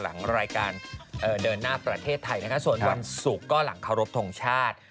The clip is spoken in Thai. หลังรายการเดินหน้าประเทศไทยนะคะส่วนวันศุกร์ก็หลังเคารพทงชาติ